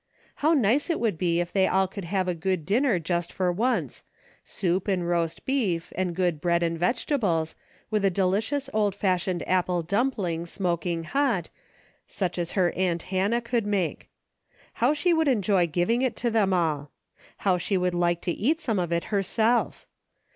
How nice it would be if they all could have a good dinner just for once, soup and roast beef, and good bread and vegetables, with a deli cious old fashioned apple dumpling smoking hot, such as her aunt Hannah could make. How she would enjoy giving it to them all. How she would like to eat some of it herself